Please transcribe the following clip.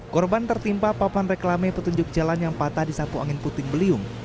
korban tertimpa papan reklame petunjuk jalan yang patah disapu angin puting beliung